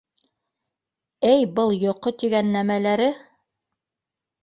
Әй, был йоҡо тигән нәмәләре!